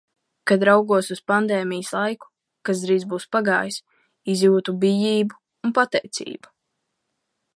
Kad raugos uz pandēmijas laiku, kas drīz būs pagājis, izjūtu bijību un pateicību.